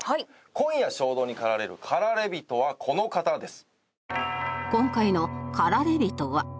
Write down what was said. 今夜衝動に駆られる駆られ人はこの方です。